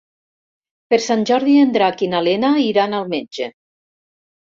Per Sant Jordi en Drac i na Lena iran al metge.